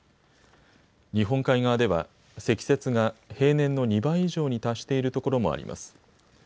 日本海側では積雪が平年の２倍以上に達しているところもあります。